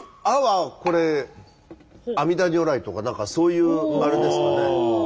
阿はこれ阿弥陀如来とか何かそういうあれですかね？